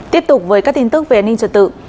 tiếp tục với các tin tức về nước